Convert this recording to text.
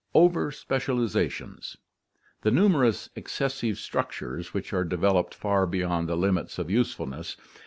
Over specializations, the numerous "excessive structures" which are developed far beyond the limits of usefulness.